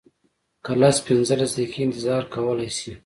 که لس پنځلس دقیقې انتظار کولی شې.